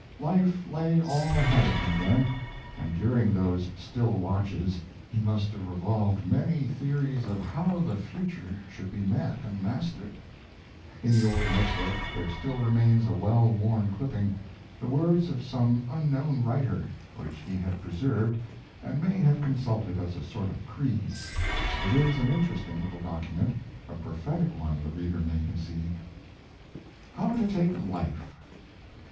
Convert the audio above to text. Life lay all ahead of him then, and during those still watches he must have revolved many theories of how the future should be met and mastered. In the old notebook there still remains a well worn clipping, the words of some unknown writer, which he had preserved and may have consulted as a sort of creed. It is an interesting little document a prophetic one, the reader may concede: HOW TO TAKE LIFE.